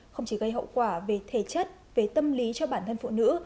không chỉ gây hậu quả về thể chất về tâm lý cho bản thân phụ nữ